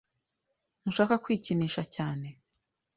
Ntushaka kwikinisha cyane.